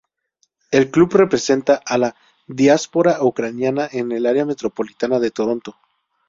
El club representa a la diáspora ucraniana en el área metropolitana de Toronto.